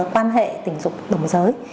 quan hệ tình dục đồng giới